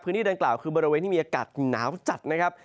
ดังกล่าวคือบริเวณที่มีอากาศหนาวจัดนะครับ